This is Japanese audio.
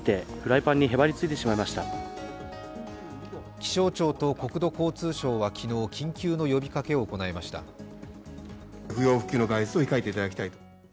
気象庁と国土交通省は昨日、緊急の呼びかけを行いました。